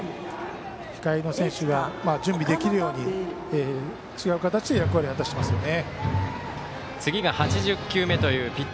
控えの選手が準備できるように違う形で役割を果たしてますね。